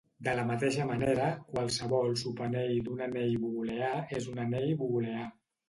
De la mateixa manera, qualsevol subanell d'un anell booleà és un anell booleà.